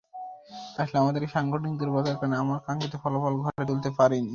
আসলে আমাদের সাংগঠনিক দুর্বলতার কারণে আমরা কাঙ্ক্ষিত ফলাফল ঘরে তুলতে পারিনি।